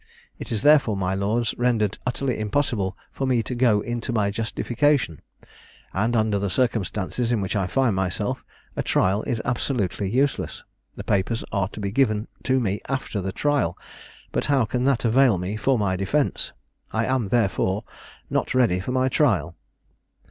It is therefore, my lords, rendered utterly impossible for me to go into my justification; and under the circumstances in which I find myself, a trial is absolutely useless. The papers are to be given to me after the trial, but how can that avail me for my defence? I am, therefore, not ready for my trial."